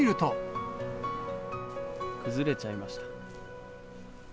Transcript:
崩れちゃいました。